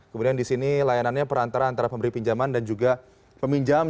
kemudian di sini layanannya perantara antara pemberi pinjaman dan juga peminjam